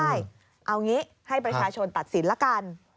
เอาอย่างนี้ให้ประชาชนตัดสินละกัน